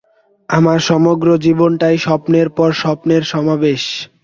আমার সমগ্র জীবনটাই স্বপ্নের পর স্বপ্নের সমাবেশ।